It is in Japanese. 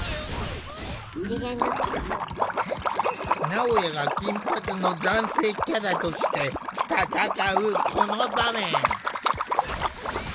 なおやが金髪の男性キャラとして戦うこの場面。